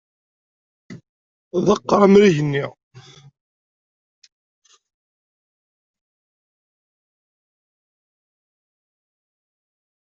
Ḍeqqer amrig-nni!